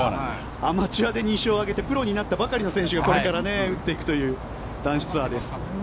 アマチュアで２勝を挙げてプロになったばかりの選手がこれから打っていくという男子ツアーです。